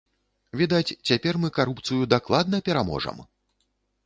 Відаць, цяпер мы карупцыю дакладна пераможам?